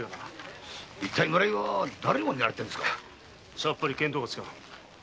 さっぱり見当もつかぬ。